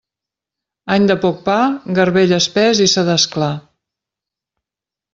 Any de poc pa, garbell espés i sedàs clar.